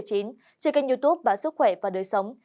trên kênh youtube bản sức khỏe và đời sống